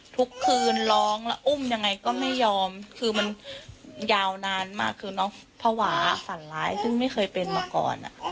ทุกคืนร้องแล้วอุ้มยังไงก็ไม่ยอมคือมันยาวนานมากคือน้องภาวะสั่นร้ายซึ่งไม่เคยเป็นมาก่อน